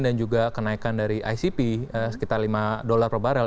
dan juga kenaikan dari icp sekitar lima dolar per barrel